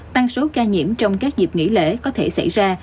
tăng số ca nhiễm trong các dịp nghỉ lễ có thể xảy ra